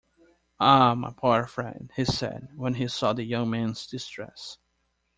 "Ah, my poor friend!" he said, when he saw the young man's distress.